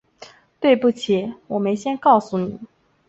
对不起，我没先告诉你